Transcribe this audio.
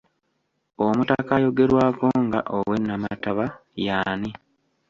Omutaka ayogerwako nga ow'e Nnamataba y'ani?